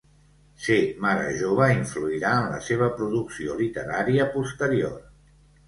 Ser mare jove influirà en la seva producció literària posterior.